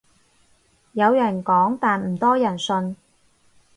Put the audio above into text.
有人講但唔多人信